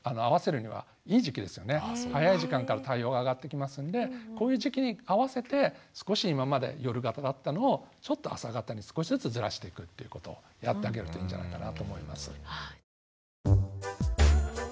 早い時間から太陽が上がってきますのでこういう時期に合わせて少し今まで夜型だったのをちょっと朝型に少しずつずらしていくっていうことをやってあげるといいんじゃないかなと思います。